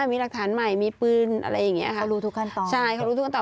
มีรักฐานใหม่มีปืนอะไรอย่างนี้ค่ะ